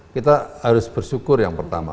kita harus bersyukur yang pertama